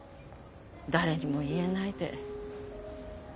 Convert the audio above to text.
誰にも言えないで。